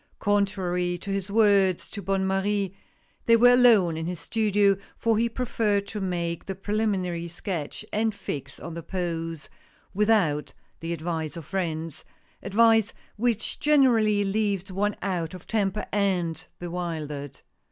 Contrary to his words to Bonne Marie they were alone in his studio, for he preferred to make the pre liminary sketch and fix on the pose without the advice of friends — advice which generally leaves one out of temper and bewildered.